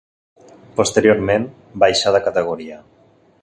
Posteriorment baixà de categoria.